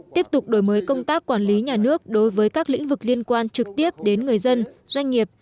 tiếp tục đổi mới công tác quản lý nhà nước đối với các lĩnh vực liên quan trực tiếp đến người dân doanh nghiệp